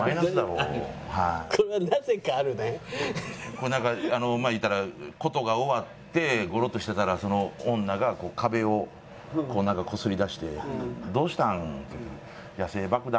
これまあ言うたら事が終わってゴロッとしてたら女が壁をこすりだして「どうしたん？」って言うたら「野性爆弾か」っつって。